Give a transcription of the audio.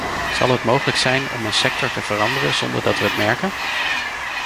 Zal het mogelijk zijn om een sector te veranderen zonder dat we het merken?